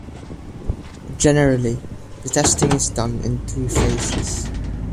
Generally, the testing is done in two phases.